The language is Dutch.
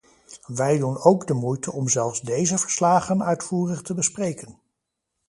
Wij doen ook de moeite om zelfs deze verslagen uitvoerig te bespreken.